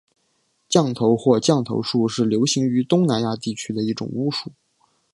降头或降头术是流行于东南亚地区的一种巫术。